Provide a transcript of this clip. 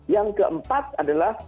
yang keempat adalah